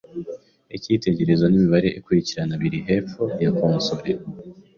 Icyitegererezo nimibare ikurikirana biri hepfo ya konsole.